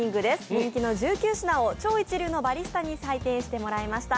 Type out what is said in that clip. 人気の１９品を超一流のバリスタに採点してもらいました。